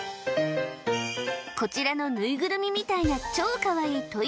こちらのぬいぐるみみたいな超カワイイトイ・